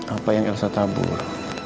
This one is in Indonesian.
apa yang elsa tabur